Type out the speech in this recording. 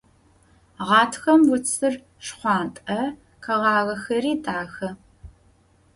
Ğatxem vutsır şşxhuant'e, kheğağexeri daxe.